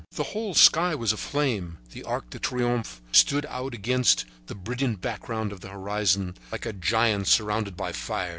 The whole sky was aflame; the Arc de Triomphe stood out against the brilliant background of the horizon, like a giant surrounded by fire.